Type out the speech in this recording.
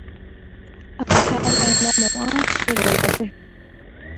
Ahava'erãmo'ã che rógape